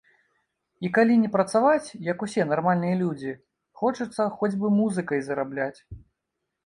І калі не працаваць, як усе нармальныя людзі, хочацца хоць бы музыкай зарабляць.